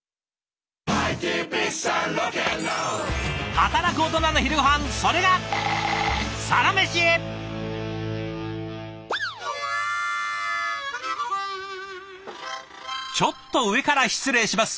働くオトナの昼ごはんそれがちょっと上から失礼します。